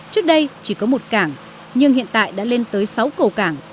trước đây chỉ có một cảng nhưng hiện tại đã lên tới sáu cầu cảng